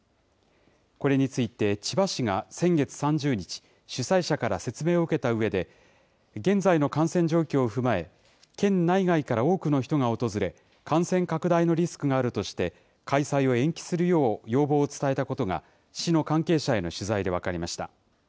これについて千葉市が先月３０日、主催者から説明を受けたうえで、現在の感染状況を踏まえ、県内外から多くの人が訪れ、感染拡大のリスクがあるとして、開催を延期するよう要望を伝えたことが、市の関係者への取材で分かりました。